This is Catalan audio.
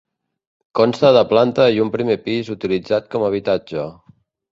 Consta de planta i un primer pis utilitzat com a habitatge.